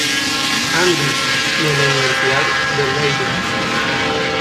Andrews y en la universidad de Leiden.